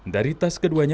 dari tas keduanya